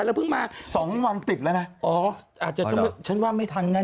อะไรฮะสองวันติดแล้วอะอ๋อเขาเถอะฉันว่าไม่ทันแน่